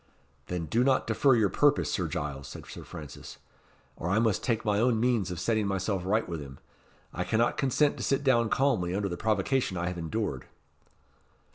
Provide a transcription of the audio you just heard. "Then do not defer your purpose, Sir Giles," said Sir Francis; "or I must take my own means of setting myself right with him. I cannot consent to sit down calmly under the provocation I have endured."